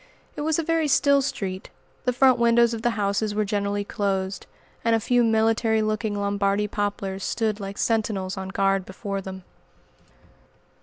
It was a very still street; the front windows of the houses were generally closed, and a few military looking Lombardy poplars stood like sentinels on guard before them.